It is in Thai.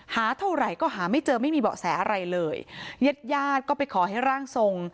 หาเท่าไหร่ก็หาไม่เจอไม่มีเบาะแสอะไรเลยญาติญาติก็ไปขอให้ร่างทรง